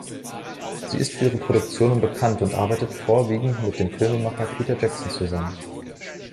Sie ist für ihre Produktionen bekannt und arbeitet vorwiegend mit dem Filmemacher Peter Jackson zusammen.